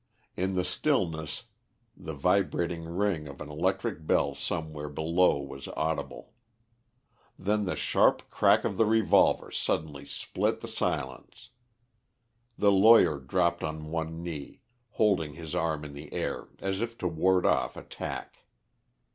In the stillness, the vibrating ring of an electric bell somewhere below was audible. Then the sharp crack of the revolver suddenly split the silence. The lawyer dropped on one knee, holding his arm in the air as if to ward off attack.